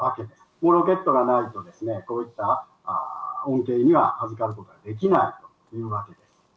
このロケットがないと、こういった恩恵にはあずかることができないというわけです。